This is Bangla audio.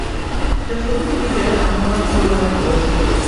এটাই সত্যি যে আমি আমার পুরো লাইফ ওয়েস্ট করেছি!